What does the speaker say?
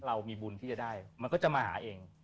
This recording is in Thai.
เรามีบุญที่จะได้มันก็จะมาหาเอง